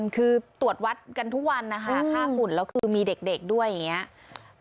คือตรวจวัดกันทุกวันนะคะค่าฝุ่นแล้วคือมีเด็กด้วยอย่างนี้